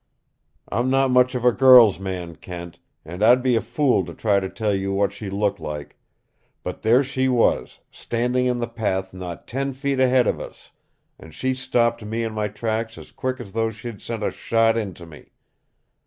I'm not much of a girl's man, Kent, and I'd be a fool to try to tell you what she looked like. But there she was, standing in the path not ten feet ahead of us, and she stopped me in my tracks as quick as though she'd sent a shot into me.